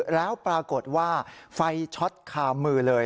แล้วปรากฏว่าไฟช็อตคามือเลย